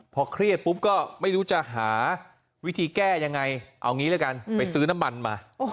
พอเครียดปุ๊บก็ไม่รู้จะหาวิธีแก้ยังไงเอางี้แล้วกันไปซื้อน้ำมันมา